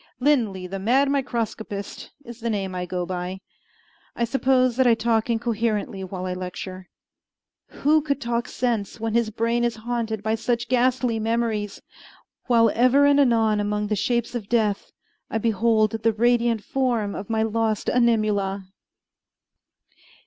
"Linley, the mad microscopist," is the name I go by. I suppose that I talk incoherently while I lecture. Who could talk sense when his brain is haunted by such ghastly memories, while ever and anon among the shapes of death I behold the radiant form of my lost Animula!